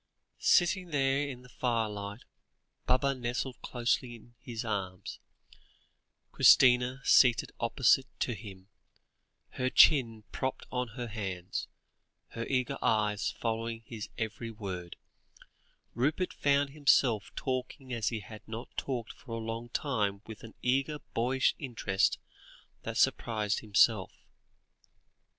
Sitting there in the firelight, Baba nestled closely in his arms, Christina seated opposite to him, her chin propped on her hands, her eager eyes following his every word Rupert found himself talking as he had not talked for a long time with an eager boyish interest that surprised himself.